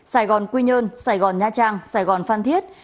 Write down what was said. sài gòn quy nhơn sài gòn nha trang sài gòn phan thiết